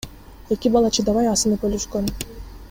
Эки бала чыдабай асынып өлүшкөн.